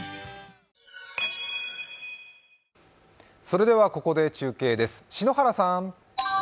それではここで中継です。